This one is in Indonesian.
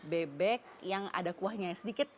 bebek yang ada kuahnya sedikit